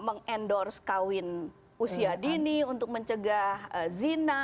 mengendorse kawin usia dini untuk mencegah zina